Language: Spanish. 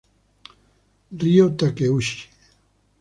Ryo Takeuchi